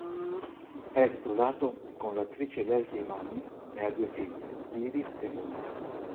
È sposato con l'attrice Leslie Mann e ha due figlie, Iris e Maude.